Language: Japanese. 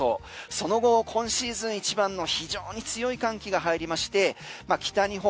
その後、今シーズン一番の非常に強い寒気が入りまして北日本、